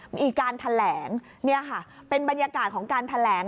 มีการแถลงเป็นบรรยากาศของการแถลง